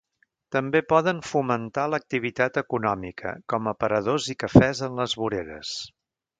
També poden fomentar l'activitat econòmica, com aparadors i cafès en les voreres.